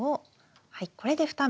はいこれで２目。